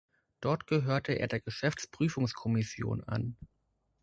Dort gehörte er der Geschäftsprüfungskommission an.